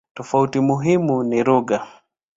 Tofauti muhimu ni lugha.